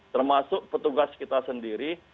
termasuk petugas kita sendiri